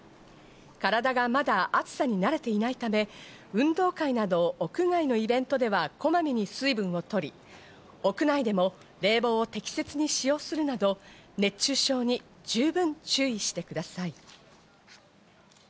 体がまだ暑さに慣れていないため、運動会など屋外のイベントでは、こまめに水分を取り、屋内でも冷房を適切に使用するなど熱中症に十分注意してください。